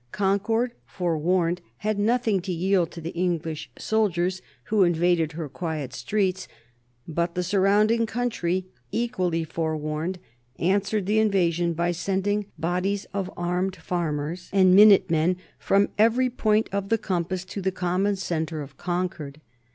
Concord forewarned had nothing to yield to the English soldiers who invaded her quiet streets; but the surrounding country, equally forewarned, answered the invasion by sending bodies of armed farmers and minute men from every point of the compass to the common centre of Concord.